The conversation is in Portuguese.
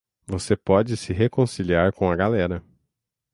Você pode se reconciliar com a galera.